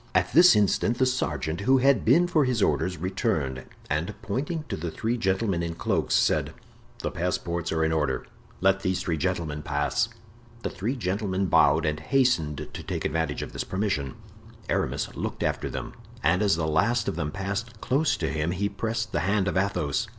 At this instant the sergeant, who had been for his orders, returned, and pointing to the three gentlemen in cloaks, said: "The passports are in order; let these three gentlemen pass." The three gentlemen bowed and hastened to take advantage of this permission. Aramis looked after them, and as the last of them passed close to him he pressed the hand of Athos.